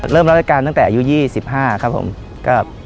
เริ่มรับรายการตั้งแต่อายุ๒๕ครับผม